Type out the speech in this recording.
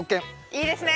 いいですね。